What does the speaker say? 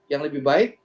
yang lebih baik